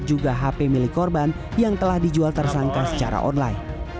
juga hp milik korban yang telah dijual tersangka secara online